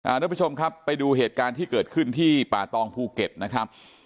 ทุกผู้ชมครับไปดูเหตุการณ์ที่เกิดขึ้นที่ป่าตองภูเก็ตนะครับ